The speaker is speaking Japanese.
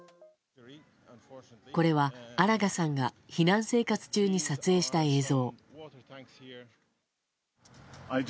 これは、アラガさんが避難生活中に撮影した映像。